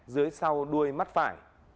dưới sau đuôi mắt phải